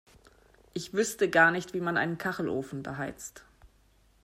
Ich wüsste gar nicht, wie man einen Kachelofen beheizt.